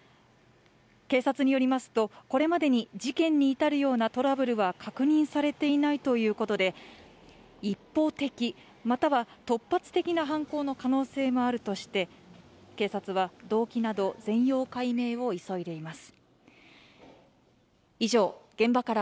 警察によりますと、これまでに事件に至るようなトラブルは確認されていないということで一方的または突発的な犯行の可能性もあるとして警察は動機など全容解明を急いでいます。